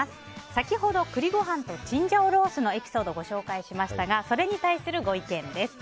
先ほど、栗ご飯とチンジャオロースのエピソードをご紹介しましたがそれに対するご意見です。